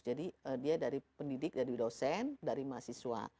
jadi dia dari pendidik dari dosen dari mahasiswa